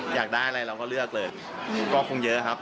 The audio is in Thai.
อยากได้อะไรเราก็เลือกเลยก็คงเยอะครับ